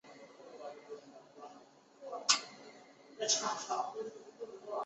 油轮遭到了与山猫联手的格鲁格维奇上校为首的俄国武装部队的劫持。